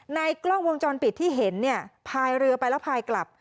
ในกล้องวงจรปิดที่เห็นเนี่ยพายเรือไปแล้วพายกลับ